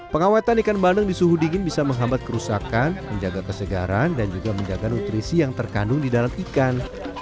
pengawetan ikan bandeng di suhu dingin bisa menghambat kerusakan menjaga kesegaran dan juga menjaga nutrisi yang terkandung di dalam ikan